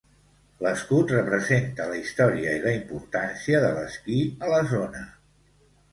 L'escut representa la història i la importància de l'esquí a la zona.